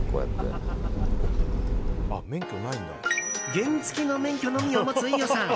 原付きの免許のみを持つ飯尾さん。